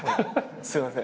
すいません。